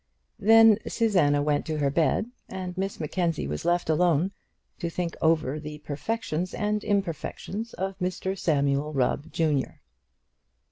Then Susanna went to her bed, and Miss Mackenzie was left alone to think over the perfections and imperfections of Mr Samuel Rubb, junior.